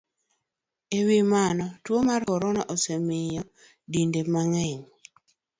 E wi mano, tuo mar corona osemiyo dinde mang'eny